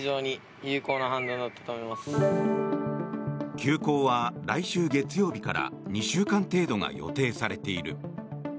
休校は来週月曜日から２週間程度が予定されている。